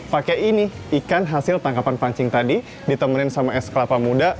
pakai ini ikan hasil tangkapan pancing tadi ditemenin sama es kelapa muda